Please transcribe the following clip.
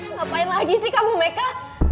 ngapain lagi sih kamu meka